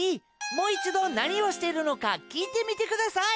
もういちどなにをしてるのかきいてみてください。